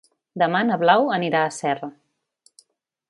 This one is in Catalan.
Demà na Blau anirà a Serra.